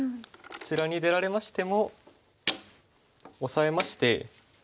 こちらに出られましてもオサえまして。